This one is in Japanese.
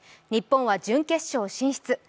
日本は準決勝進出。